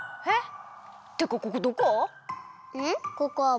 えっ！